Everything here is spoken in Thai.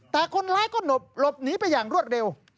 แต่คนร้ายก็หลบหนีไปอย่างรวดเร็ว